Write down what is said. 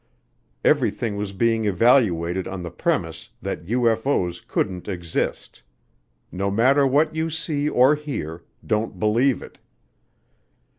Everything was being evaluated on the premise that UFO's couldn't exist. No matter what you see or hear, don't believe it.